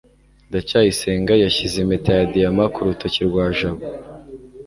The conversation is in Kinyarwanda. ndacyayisenga yashyize impeta ya diyama ku rutoki rwa jabo